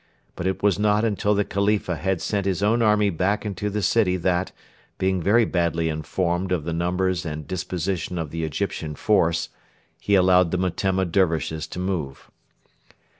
But it was not until the Khalifa had sent his own army back into the city that, being very badly informed of the numbers and disposition of the Egyptian force, he allowed the Metemma Dervishes to move.